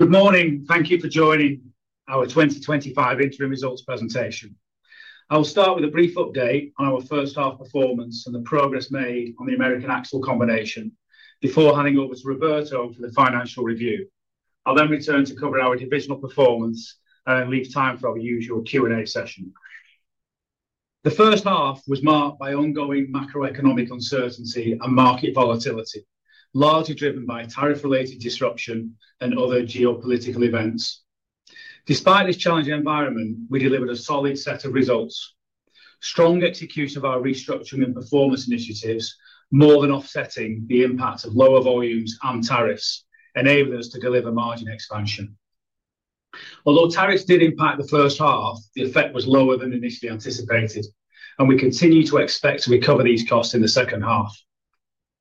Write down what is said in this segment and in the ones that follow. Good morning. Thank you for joining our 2025 Interim Results Presentation. I will start with a brief update on our first half performance and the progress made on the American Axle combination before handing over to Roberto for the financial review. I'll then return to cover our divisional performance and then leave time for our usual Q&A session. The first half was marked by ongoing macroeconomic uncertainty and market volatility, largely driven by tariff-related disruption and other geopolitical events. Despite this challenging environment, we delivered a solid set of results. Strong execution of our restructuring and performance initiatives, more than offsetting the impact of lower volumes and tariffs, enabled us to deliver margin expansion. Although tariffs did impact the first half, the effect was lower than initially anticipated, and we continue to expect to recover these costs in the second half.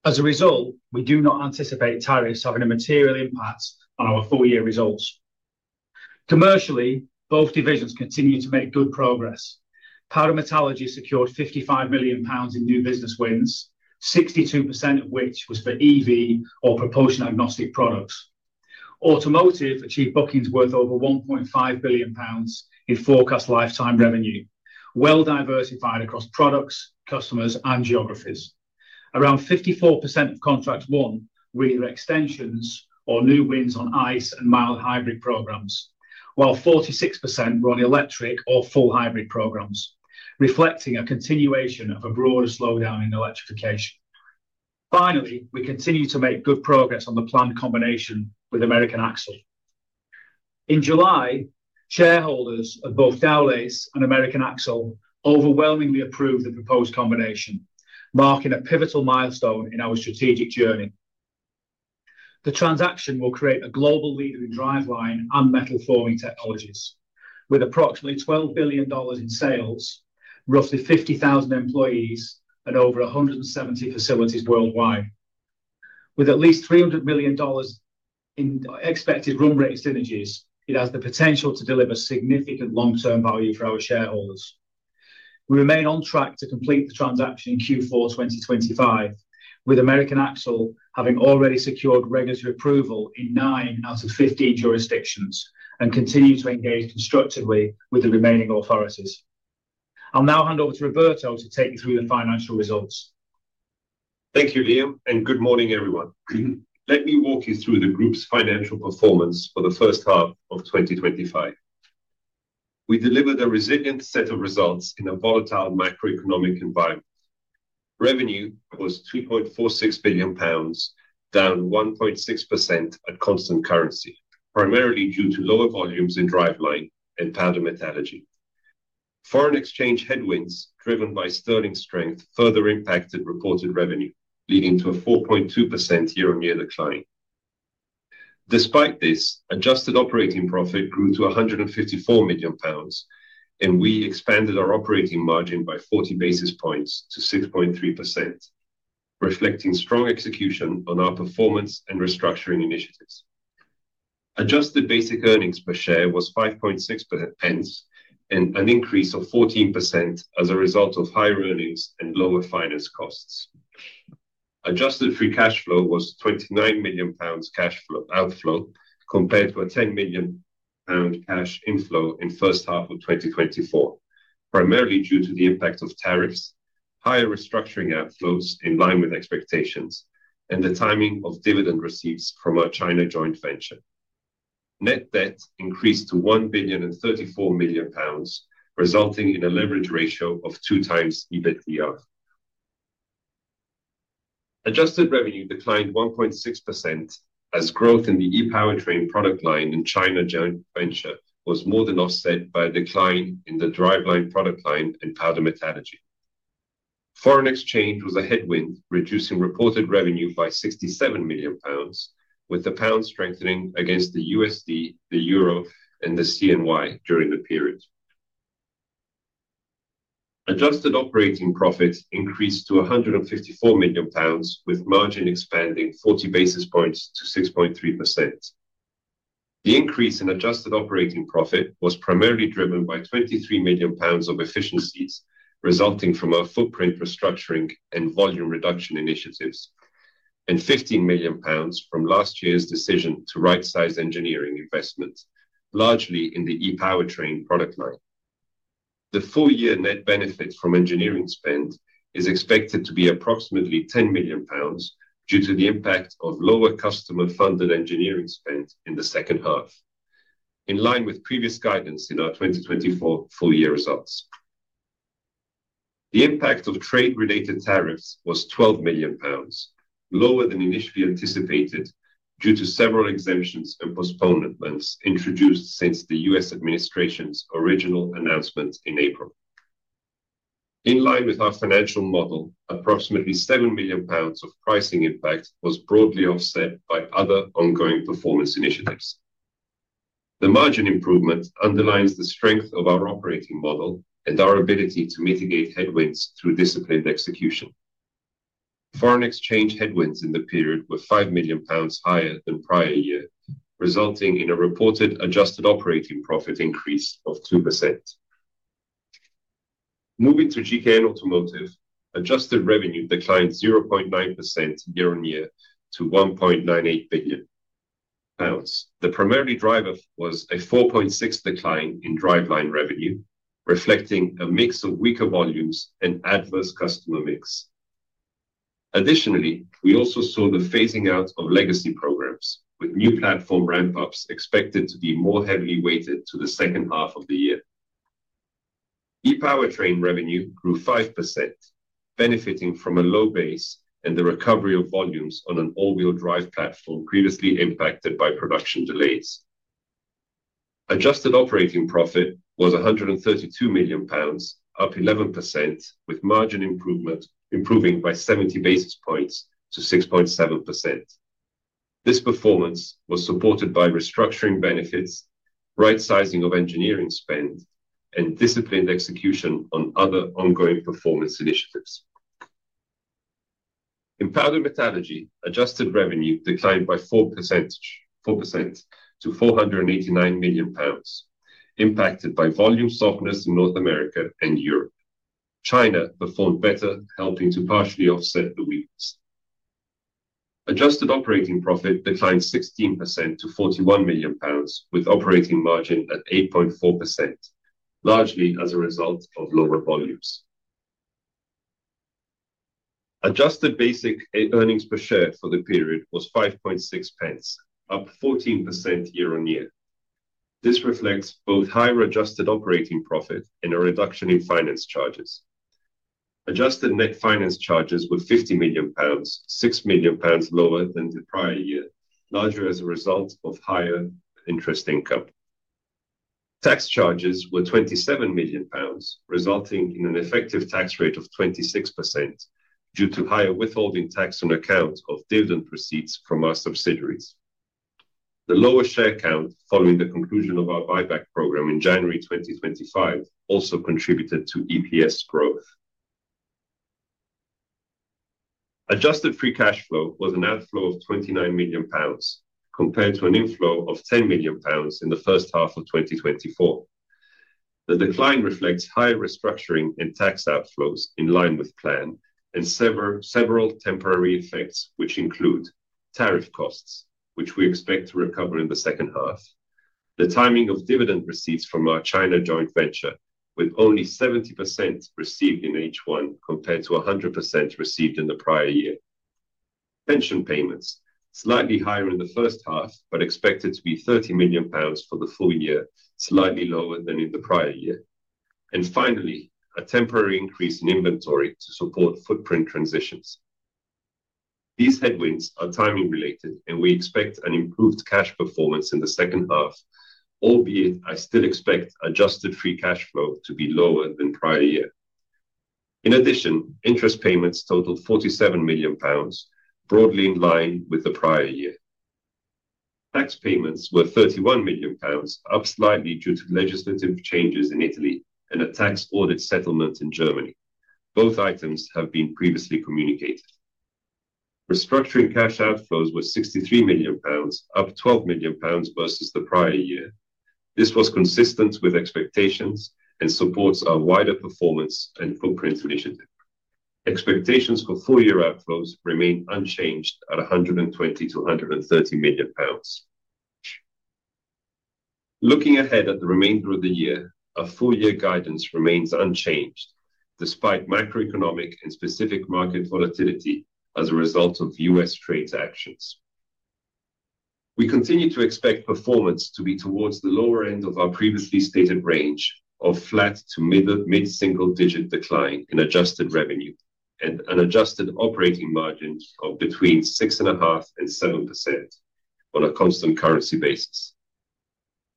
As a result, we do not anticipate tariffs having a material impact on our full-year results. Commercially, both divisions continue to make good progress. Powder Metallurgy secured 55 million pounds in new business wins, 62% of which was for EV or propulsion-agnostic products. Automotive achieved bookings worth over 1.5 billion pounds in forecast lifetime revenue, well-diversified across products, customers, and geographies. Around 54% of contracts won were either extensions or new wins on ICE and mild hybrid programs, while 46% were on electric or full hybrid programs, reflecting a continuation of a broader slowdown in electrification. Finally, we continue to make good progress on the planned combination with American Axle. In July, shareholders of both Dowlais and American Axle overwhelmingly approved the proposed combination, marking a pivotal milestone in our strategic journey. The transaction will create a global leader in driveline and metal forming technologies, with approximately $12 billion in sales, roughly 50,000 employees, and over 170 facilities worldwide. With at least $300 million in expected run-rate synergies, it has the potential to deliver significant long-term value for our shareholders. We remain on track to complete the transaction in Q4 2025, with American Axle having already secured regulatory approval in nine out of 15 jurisdictions and continues to engage constructively with the remaining authorities. I'll now hand over to Roberto to take you through the financial results. Thank you, Liam, and good morning, everyone. Let me walk you through the group's financial performance for the first half of 2025. We delivered a resilient set of results in a volatile macroeconomic environment. Revenue was 3.46 billion pounds, down 1.6% at constant currency, primarily due to lower volumes in Driveline and Powder Metallurgy. Foreign exchange headwinds, driven by sterling strength, further impacted reported revenue, leading to a 4.2% year-on-year decline. Despite this, adjusted operating profit grew to 154 million pounds, and we expanded our operating margin by 40 basis points to 6.3%, reflecting strong execution on our performance and restructuring initiatives. Adjusted basic earnings per share was 0.056, an increase of 14% as a result of higher earnings and lower finance costs. Adjusted free cash flow was a 29 million pounds cash outflow, compared to a 10 million pound cash inflow in the first half of 2024, primarily due to the impact of tariffs, higher restructuring outflows in line with expectations, and the timing of dividend receipts from our China joint venture. Net debt increased to 1.034 billion, resulting in a leverage ratio of 2x EBITDA. Adjusted revenue declined 1.6% as growth in the ePowertrain product line in the China joint venture was more than offset by a decline in the Driveline product line and Powder Metallurgy. Foreign exchange was a headwind, reducing reported revenue by 67 million pounds, with the pound strengthening against the USD, the euro, and the CNY during the period. Adjusted operating profits increased to 154 million pounds, with margin expanding 40 basis points to 6.3%. The increase in adjusted operating profit was primarily driven by 23 million pounds of efficiencies resulting from our footprint restructuring and volume reduction initiatives, and 15 million pounds from last year's decision to right-size engineering investments, largely in the ePowertrain product line. The full-year net benefit from engineering spend is expected to be approximately 10 million pounds due to the impact of lower customer-funded engineering spend in the second half, in line with previous guidance in our 2024 full-year results. The impact of trade-related tariffs was 12 million pounds, lower than initially anticipated due to several exemptions and postponements introduced since the U.S. administration's original announcement in April. In line with our financial model, approximately 7 million pounds of pricing impact was broadly offset by other ongoing performance initiatives. The margin improvement underlines the strength of our operating model and our ability to mitigate headwinds through disciplined execution. Foreign exchange headwinds in the period were 5 million pounds higher than prior year, resulting in a reported adjusted operating profit increase of 2%. Moving to GKN Automotive, adjusted revenue declined 0.9% year-on-year to 1.98 billion pounds. The primary driver was a 4.6% decline in driveline revenue, reflecting a mix of weaker volumes and adverse customer mix. Additionally, we also saw the phasing out of legacy programs, with new platform ramp-ups expected to be more heavily weighted to the second half of the year. ePowertrain revenue grew 5%, benefiting from a low base and the recovery of volumes on an all-wheel drive platform previously impacted by production delays. Adjusted operating profit was 132 million pounds, up 11%, with margin improving by 70 basis points to 6.7%. This performance was supported by restructuring benefits, right-sizing of engineering spend, and disciplined execution on other ongoing performance initiatives. In Powder Metallurgy, adjusted revenue declined by 4% to 489 million pounds, impacted by volume softness in North America and Europe. China performed better, helping to partially offset the weakness. Adjusted operating profit declined 16% to 41 million pounds, with operating margin at 8.4%, largely as a result of lower volumes. Adjusted basic earnings per share for the period was 0.056, up 14% year-on-year. This reflects both higher adjusted operating profit and a reduction in finance charges. Adjusted net finance charges were 50 million pounds, 6 million pounds lower than the prior year, largely as a result of higher interest income. Tax charges were 27 million pounds, resulting in an effective tax rate of 26% due to higher withholding tax on account of dividend proceeds from our subsidiaries. The lower share count following the conclusion of our IBAC program in January 2025 also contributed to EPS growth. Adjusted free cash flow was an outflow of 29 million pounds, compared to an inflow of 10 million pounds in the first half of 2024. The decline reflects high restructuring and tax outflows in line with plan and several temporary effects, which include tariff costs, which we expect to recover in the second half, the timing of dividend receipts from our China joint venture, with only 70% received in each one, compared to 100% received in the prior year. Pension payments, slightly higher in the first half, but expected to be 30 million pounds for the full year, slightly lower than in the prior year. Finally, a temporary increase in inventory to support footprint transitions. These headwinds are timing-related, and we expect an improved cash performance in the second half, albeit I still expect adjusted free cash flow to be lower than prior year. In addition, interest payments totaled 47 million pounds, broadly in line with the prior year. Tax payments were 31 million pounds, up slightly due to legislative changes in Italy and a tax audit settlement in Germany. Both items have been previously communicated. Restructuring cash outflows were 63 million pounds, up 12 million pounds versus the prior year. This was consistent with expectations and supports our wider performance and footprint initiative. Expectations for full-year outflows remain unchanged at 120 million-130 million pounds. Looking ahead at the remainder of the year, our full-year guidance remains unchanged, despite macroeconomic and specific market volatility as a result of U.S. trade actions. We continue to expect performance to be towards the lower end of our previously stated range of flat to mid-single-digit decline in adjusted revenue and an adjusted operating margin of between 6.5% and 7% on a constant currency basis.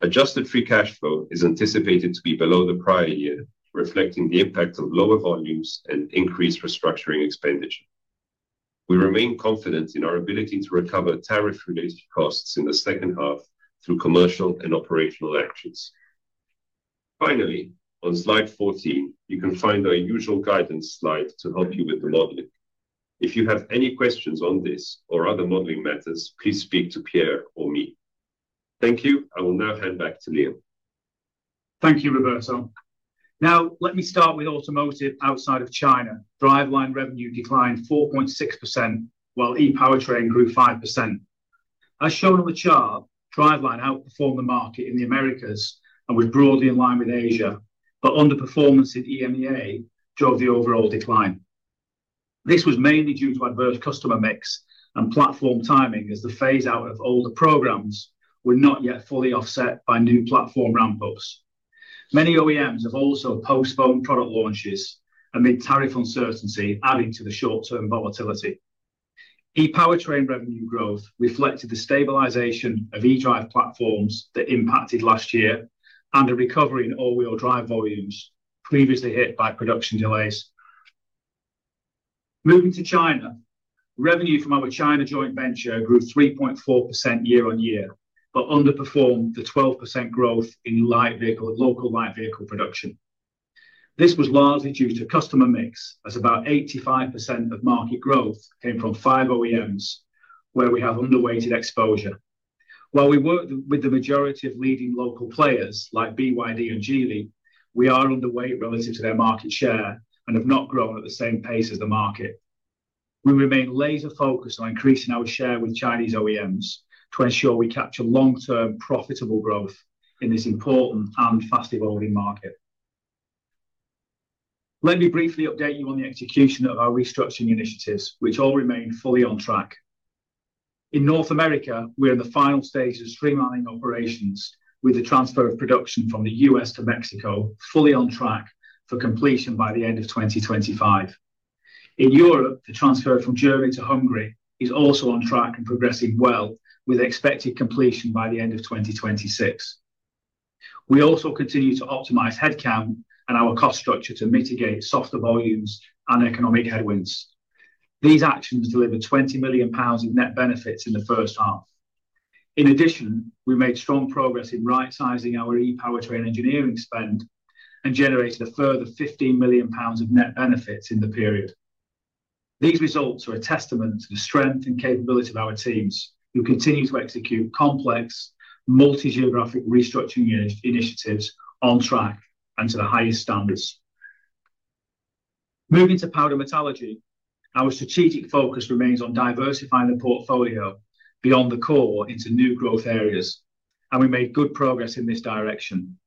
Adjusted free cash flow is anticipated to be below the prior year, reflecting the impact of lower volumes and increased restructuring expenditure. We remain confident in our ability to recover tariff-related costs in the second half through commercial and operational actions. Finally, on slide 14, you can find our usual guidance slide to help you with the modeling. If you have any questions on this or other modeling matters, please speak to Pier or me. Thank you. I will now hand back to Liam. Thank you, Roberto. Now, let me start with Automotive outside of China. Driveline revenue declined 4.6%, while ePowertrain grew 5%. As shown on the chart, Driveline outperformed the market in the Americas and was broadly in line with Asia, but underperformance in EMEA drove the overall decline. This was mainly due to adverse customer mix and platform timing, as the phase-out of older programs was not yet fully offset by new platform ramp-ups. Many OEMs have also postponed product launches amid tariff uncertainty, adding to the short-term volatility. ePowertrain revenue growth reflected the stabilization of eDrive platforms that impacted last year and a recovery in all-wheel drive volumes previously hit by production delays. Moving to China, revenue from our China joint venture grew 3.4% year-on-year, but underperformed the 12% growth in light vehicle and local light vehicle production. This was largely due to customer mix, as about 85% of market growth came from five OEMs where we have underweighted exposure. While we work with the majority of leading local players like BYD and Geely, we are underweight relative to their market share and have not grown at the same pace as the market. We remain laser-focused on increasing our share with Chinese OEMs to ensure we capture long-term profitable growth in this important and fast-evolving market. Let me briefly update you on the execution of our restructuring initiatives, which all remain fully on track. In North America, we're in the final stages of streamlining operations, with the transfer of production from the U.S. to Mexico fully on track for completion by the end of 2025. In Europe, the transfer from Germany to Hungary is also on track and progressing well, with expected completion by the end of 2026. We also continue to optimize headcount and our cost structure to mitigate softer volumes and economic headwinds. These actions delivered 20 million pounds in net benefits in the first half. In addition, we made strong progress in right-sizing our ePowertrain engineering spend and generated a further 15 million pounds in net benefits in the period. These results are a testament to the strength and capability of our teams, who continue to execute complex, multi-geographic restructuring initiatives on track and to the highest standards. Moving to Powder Metallurgy, our strategic focus remains on diversifying the portfolio beyond the core into new growth areas, and we made good progress in this direction.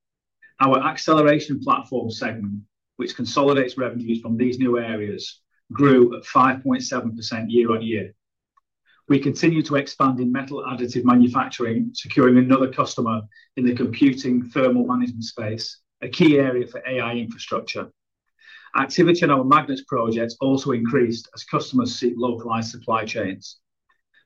Our acceleration platform segment, which consolidates revenues from these new areas, grew at 5.7% year-on-year. We continue to expand in metal additive manufacturing, securing another customer in the computing thermal management space, a key area for AI infrastructure. Activity on our magnet project also increased as customers seek localized supply chains.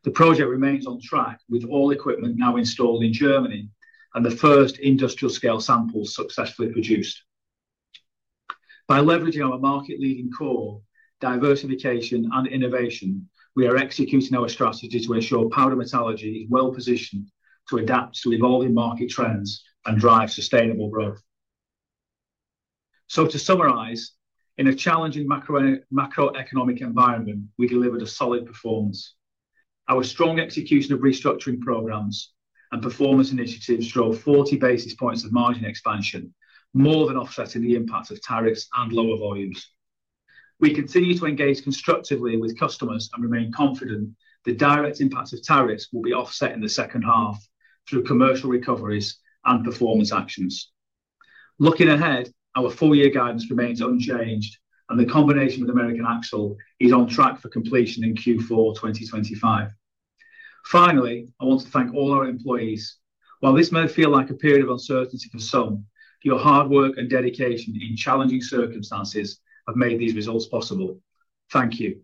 The project remains on track, with all equipment now installed in Germany and the first industrial-scale samples successfully produced. By leveraging our market-leading core, diversification, and innovation, we are executing our strategies to ensure Powder Metallurgy is well-positioned to adapt to evolving market trends and drive sustainable growth. To summarize, in a challenging macroeconomic environment, we delivered a solid performance. Our strong execution of restructuring programs and performance initiatives drove 40 basis points of margin expansion, more than offsetting the impact of tariffs and lower volumes. We continue to engage constructively with customers and remain confident the direct impact of tariffs will be offset in the second half through commercial recoveries and performance actions. Looking ahead, our full-year guidance remains unchanged, and the combination with American Axle is on track for completion in Q4 2025. Finally, I want to thank all our employees. While this may feel like a period of uncertainty for some, your hard work and dedication in challenging circumstances have made these results possible. Thank you.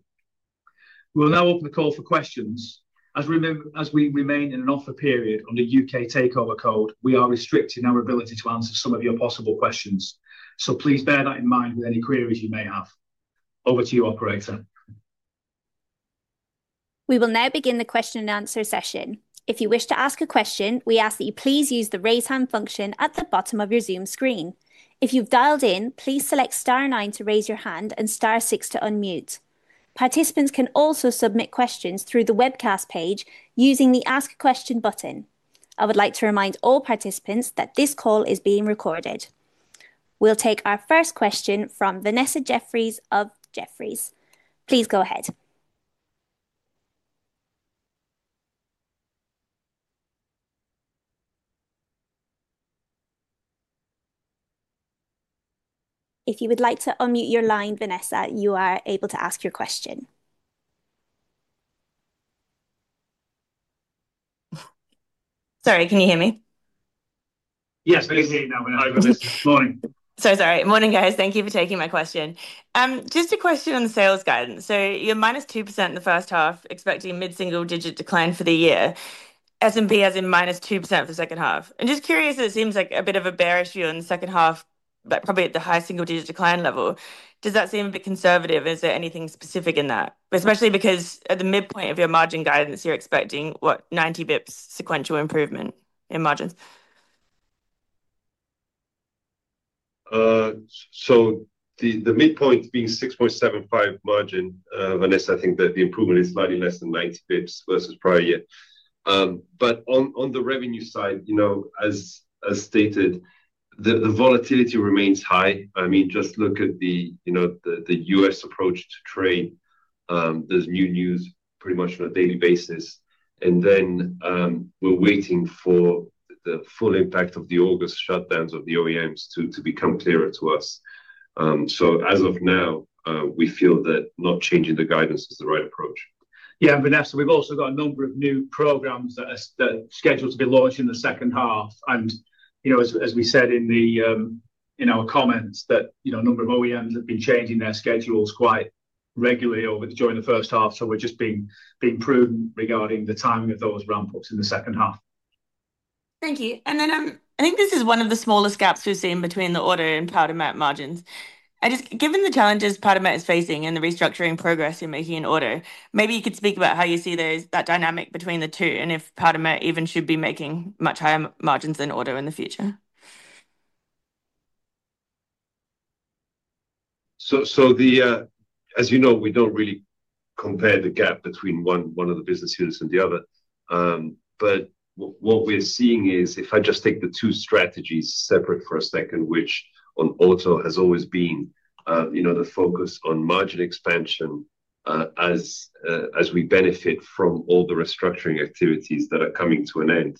We'll now open the call for questions. As we remain in an offer period on the U.K. takeover code, we are restricting our ability to answer some of your possible questions, so please bear that in mind with any queries you may have. Over to you, operator. We will now begin the question and answer session. If you wish to ask a question, we ask that you please use the raise hand function at the bottom of your Zoom screen. If you've dialed in, please select star nine to raise your hand and star six to unmute. Participants can also submit questions through the webcast page using the ask question button. I would like to remind all participants that this call is being recorded. We'll take our first question from Vanessa Jeffriess of Jefferies. Please go ahead. If you would like to unmute your line, Vanessa, you are able to ask your question. Sorry, can you hear me? Yes, we can hear you now. Hi, Vanessa. Morning. Morning, guys. Thank you for taking my question. Just a question on the sales guidance. You're -2% in the first half, expecting mid-single-digit decline for the year, S&P as in -2% for the second half. I'm just curious, it seems like a bit of a bearish view on the second half, but probably at the high single-digit decline level. Does that seem a bit conservative? Is there anything specific in that? Especially because at the midpoint of your margin guidance, you're expecting, what, 90 bps sequential improvement in margins? The midpoint being 6.75% margin, Vanessa, I think that the improvement is slightly less than 90 bps versus prior year. On the revenue side, as stated, the volatility remains high. Just look at the U.S. approach to trade. There's new news pretty much on a daily basis. We are waiting for the full impact of the August shutdowns of the OEMs to become clearer to us. As of now, we feel that not changing the guidance is the right approach. Vanessa, we've also got a number of new programs that are scheduled to be launched in the second half. As we said in our comments, a number of OEMs have been changing their schedules quite regularly over the first half. We're just being prudent regarding the timing of those ramp-ups in the second half. Thank you. I think this is one of the smallest gaps we've seen between the Auto and Powder Met margins. Given the challenges Powder Met is facing and the restructuring progress you're making in auto, maybe you could speak about how you see that dynamic between the two and if Powder Met even should be making much higher margins than auto in the future. As you know, we don't really compare the gap between one of the business units and the other. What we're seeing is, if I just take the two strategies separate for a second, which on auto has always been the focus on margin expansion as we benefit from all the restructuring activities that are coming to an end.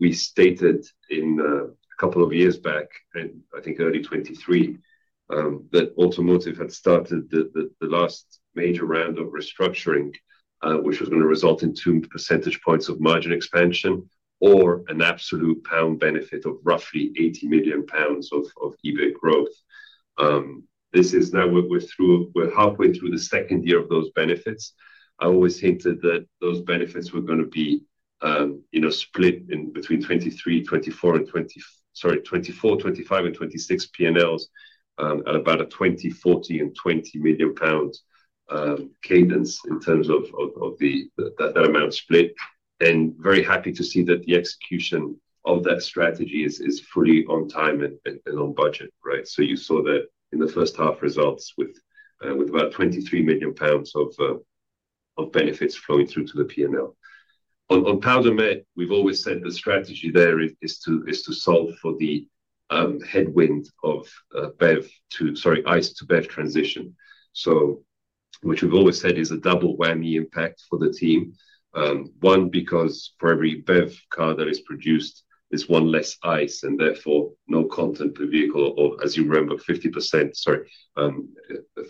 We stated a couple of years back, and I think early 2023, that automotive had started the last major round of restructuring, which was going to result in 2 percentage points of margin expansion or an absolute pound benefit of roughly 80 million pounds of EBIT growth. This is now, we're halfway through the second year of those benefits. I always hinted that those benefits were going to be split between 2023, 2024, and 2025, and 2026 P&Ls at about a 20 million, 40 million, and 20 million pounds cadence in terms of that amount split. Very happy to see that the execution of that strategy is fully on time and on budget. You saw that in the first half results with about 23 million pounds of benefits flowing through to the P&L. On Powder Met, we've always said the strategy there is to solve for the headwind of ICE-to-BEV transition, which we've always said is a double whammy impact for the team. One, because for every BEV car that is produced, there's one less ICE and therefore no content per vehicle. As you remember,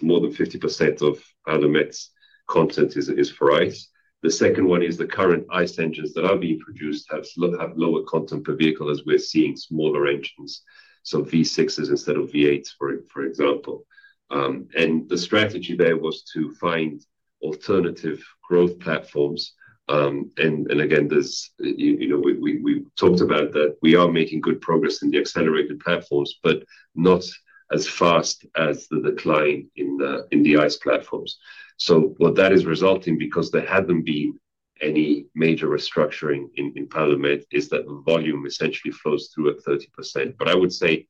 more than 50% of Powder Met's content is for ICE. The second one is the current ICE engines that are being produced have lower content per vehicle as we're seeing smaller engines, V6s instead of V8s, for example. The strategy there was to find alternative growth platforms. We talked about that. We are making good progress in the accelerated platforms, but not as fast as the decline in the ICE platforms. What that is resulting in, because there hasn't been any major restructuring in Powder Met, is that the volume essentially flows through at 30%. I would say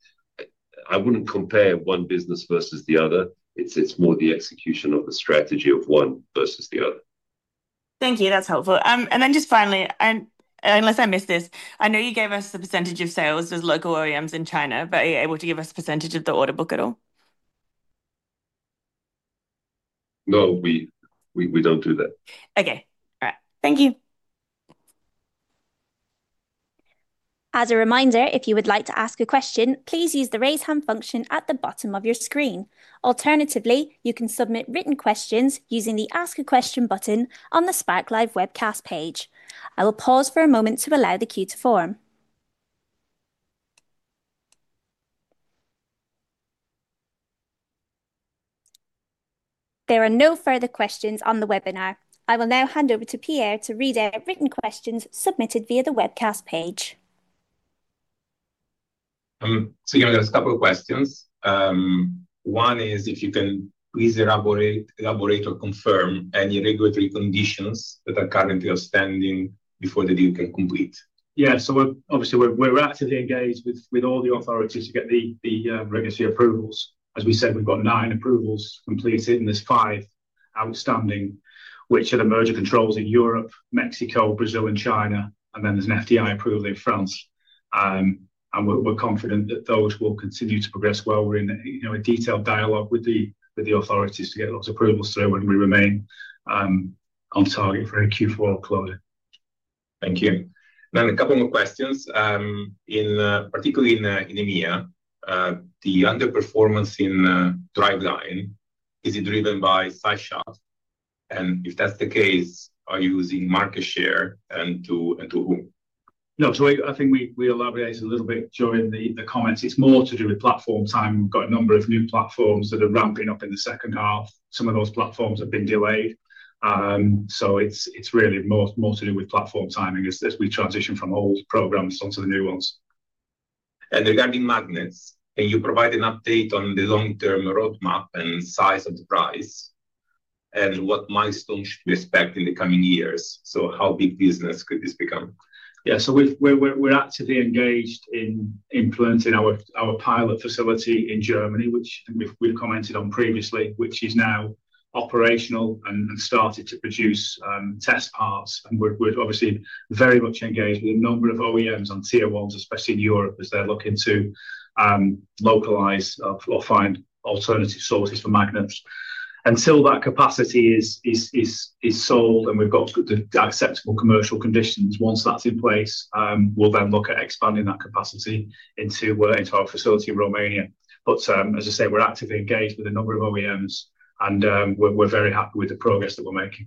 I wouldn't compare one business versus the other. It's more the execution of a strategy of one versus the other. Thank you. That's helpful. Finally, unless I missed this, I know you gave us the percentage of sales with local OEMs in China, but are you able to give us a percentage of the order book at all? No, we don't do that. All right. Thank you. As a reminder, if you would like to ask a question, please use the raise hand function at the bottom of your screen. Alternatively, you can submit written questions using the ask a question button on the SparkLive webcast page. I will pause for a moment to allow the queue to form. There are no further questions on the webinar. I will now hand over to Pier Falcione to read out written questions submitted via the webcast page. You have a couple of questions. One is if you can please elaborate or confirm any regulatory conditions that are currently outstanding before the deal can complete. Yeah, obviously, we're actively engaged with all the authorities to get the regulatory approvals. As we said, we've got nine approvals completed, and there's five outstanding, which are the merger controls in Europe, Mexico, Brazil, and China. There's an FDI approval in France. We're confident that those will continue to progress well. We're in a detailed dialogue with the authorities to get those approvals through, and we remain on target for a Q4 closure. Thank you. A couple more questions. Particularly in EMEA, the underperformance in Driveline, is it driven by flash out? If that's the case, are you losing market share and to whom? No, I think we elaborated a little bit during the comments. It's more to do with platform timing. We've got a number of new platforms that are ramping up in the second half. Some of those platforms have been delayed. It's really mostly with platform timing as we transition from old programs onto the new ones. Regarding magnets, can you provide an update on the long-term roadmap and size of the price? What milestones should we expect in the coming years? How big business could this become? Yeah, we're actively engaged in influencing our pilot facility in Germany, which we've commented on previously, which is now operational and started to produce test parts. We're obviously very much engaged with a number of OEMs and tier ones, especially in Europe, as they're looking to localize or find alternative sources for magnets. Until that capacity is sold and we've got the acceptable commercial conditions, once that's in place, we'll then look at expanding that capacity into our facility in Romania. As I say, we're actively engaged with a number of OEMs, and we're very happy with the progress that we're making.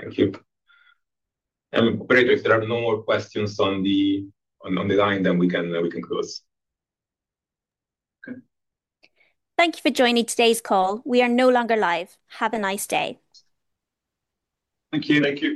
Thank you. If there are no more questions on the line, we can close. Thank you for joining today's call. We are no longer live. Have a nice day.